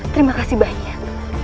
terima kasih banyak